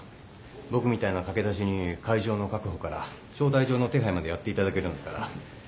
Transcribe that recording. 僕みたいな駆け出しに会場の確保から招待状の手配までやっていただけるんですから。